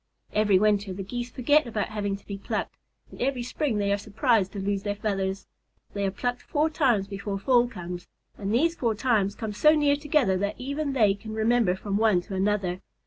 Every winter the Geese forget about having to be plucked, and every spring they are surprised to lose their feathers. They are plucked four times before fall comes, and these four times come so near together that even they can remember from one to another.